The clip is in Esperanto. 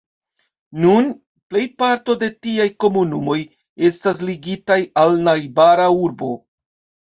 Nun plejparto de tiaj komunumoj estas ligita al najbara urbo.